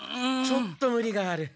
ちょっとムリがある。